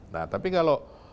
nah tapi kalau